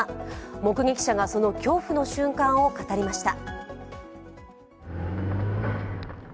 目撃者がその恐怖の瞬間を語りました。